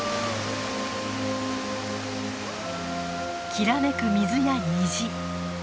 きらめく水や虹。